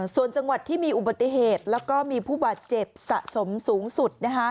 ส่วนจังหวัดที่มีอุบัติเหตุแล้วก็มีผู้บาดเจ็บสะสมสูงสุด